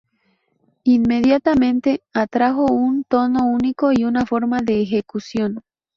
Inmediatamente atrajo un tono único y una forma de ejecución.